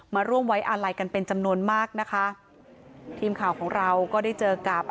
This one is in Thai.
มาร่วมไว้อาลัยกันเป็นจำนวนมากนะคะทีมข่าวของเราก็ได้เจอกับ